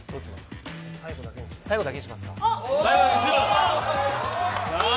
最後だけにしますか。